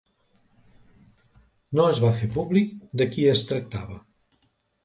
No es va fer públic de qui es tractava.